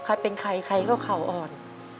ใครเป็นใครใครก็เข่าอ่อน